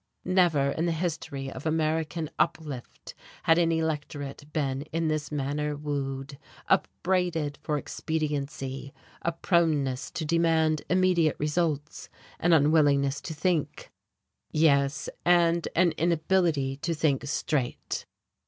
Never in the history of American "uplift" had an electorate been in this manner wooed! upbraided for expediency, a proneness to demand immediate results, an unwillingness to think, yes, and an inability to think straight.